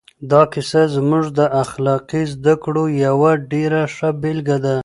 دا کیسه زموږ د اخلاقي زده کړو یوه ډېره ښه بېلګه ده.